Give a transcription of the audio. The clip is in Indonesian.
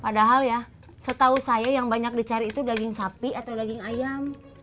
padahal ya setahu saya yang banyak dicari itu daging sapi atau daging ayam